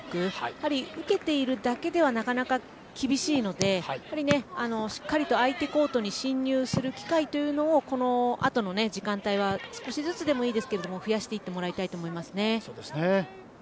やはり受けているだけではなかなか厳しいのでしっかりと相手コートに進入する機会をこのあとの時間帯は少しずつでも増やしていってもらいたいと思います。